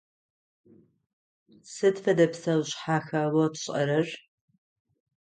Сыд фэдэ псэушъхьэха о пшӏэрэр?